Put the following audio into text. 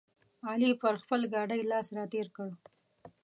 علي پر خپل ګاډي لاس راتېر کړ.